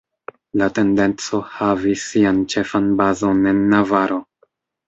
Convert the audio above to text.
La tendenco havis sian ĉefan bazon en Navaro.